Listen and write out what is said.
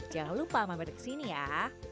jangan lupa mampir kesini ya